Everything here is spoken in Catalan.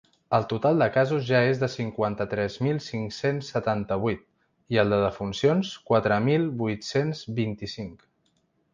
El total de casos ja és de cinquanta-tres mil cinc-cents setanta-vuit, i el de defuncions quatre mil vuit-cents vint-i-cinc.